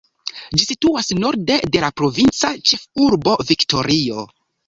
Ĝi situas norde de la provinca ĉefurbo Viktorio.